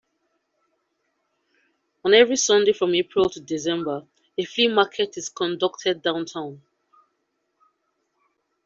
On every Sunday from April to December, a flea market is conducted downtown.